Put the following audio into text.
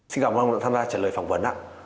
xin cảm ơn ông đã tham gia trả lời phỏng vấn ạ